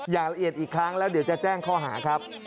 อย่างละเอียดอีกครั้งแล้วเดี๋ยวจะแจ้งข้อหาครับ